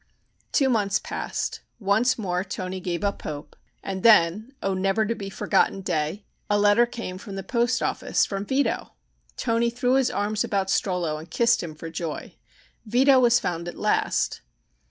Two months passed, once more Toni gave up hope, and then, O never to be forgotten day! a letter came from the post office from Vito! Toni threw his arms about Strollo and kissed him for joy. Vito was found at last!